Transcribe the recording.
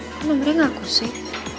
kok nomernya gak kusik